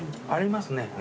ありますね